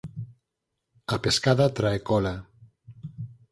A pescada trae cola